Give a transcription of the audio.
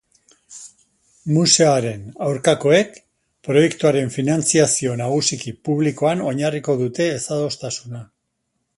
Museoaren aurkakoek proiektuaren finantzazio nagusiki publikoan oinarritu dute ezadostasuna.